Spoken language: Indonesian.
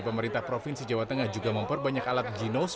pemerintah provinsi jawa tengah juga memperbanyak alat ginos